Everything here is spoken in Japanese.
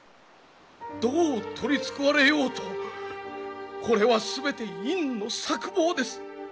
どう取り繕われようとこれは全て院の策謀です！